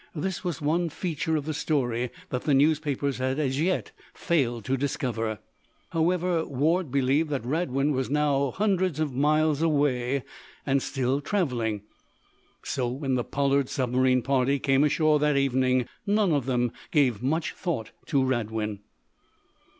This was one feature of the story that the newspapers had as yet failed to discover. However, Ward believed that Radwin was now hundreds of miles away, and still traveling. So, when the Pollard submarine party came ashore that evening, none of them gave much thought to Radwin.